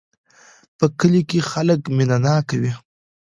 په کلي کې خلک مینه ناک وی